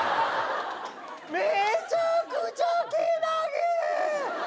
めちゃくちゃけなげ！